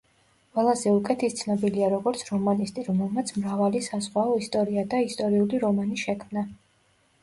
ყველაზე უკეთ ის ცნობილია როგორც რომანისტი, რომელმაც მრავალი საზღვაო ისტორია და ისტორიული რომანი შექმნა.